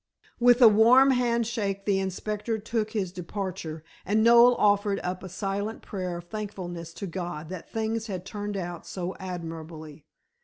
With a warm hand shake the inspector took his departure and Noel offered up a silent prayer of thankfulness to God that things had turned out so admirably.